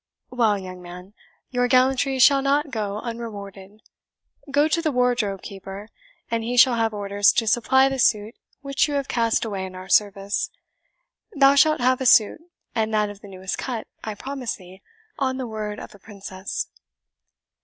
"Well, young man, your gallantry shall not go unrewarded. Go to the wardrobe keeper, and he shall have orders to supply the suit which you have cast away in our service. Thou shalt have a suit, and that of the newest cut, I promise thee, on the word of a princess."